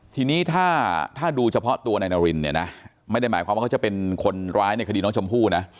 ทีนี้ถ้าดูเฉพาะตัวนายนารินเนี่ยนะไม่ได้หมายความว่าเขาจะเป็นคนร้ายในคดีน้องชมพู่นะ